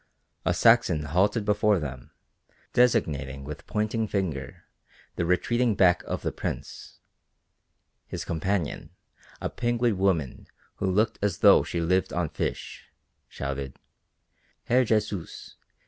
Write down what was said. A Saxon halted before them, designating with pointing finger the retreating back of the Prince, his companion, a pinguid woman who looked as though she lived on fish, shouted, "_Herr Jesus!